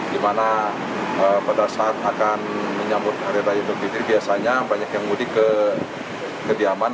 di mana pada saat akan menyambut harita hidup hidup biasanya banyak yang mudik ke diaman